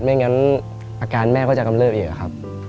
ไม่งั้นอาการแม่ก็จะกำเริบอีกครับ